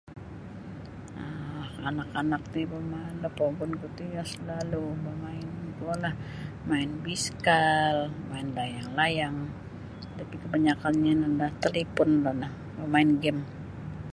um Anak-anak ti bamain do pogunku ti iyo selalu bamain kuolah main biskal main layang-layang tapi kebanyakannyo no da talipon rono bamain game.